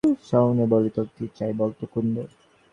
সস্নহে বলে, তোর কী চাই বল্ তো কুন্দ?